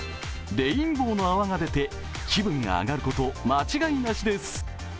レインボーの泡が出て、気分が上がること間違いなしです。